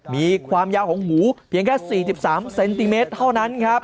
มีความยาวของหมูเพียงแค่๔๓เซนติเมตรเท่านั้นครับ